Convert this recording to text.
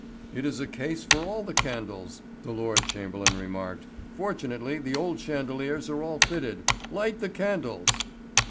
"It is a case for all the candles," the Lord Chamberlain remarked; "fortunately the old chandeliers are all fitted. Light the candles."